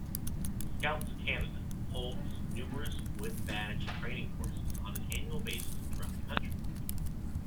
Scouts Canada holds numerous Woodbadge training courses on an annual basis throughout the country.